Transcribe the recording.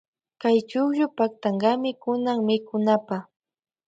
Kay chukllu paktankami kunan mikunapa.